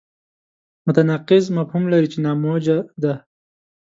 متناقض مفهوم لري چې ناموجه دی.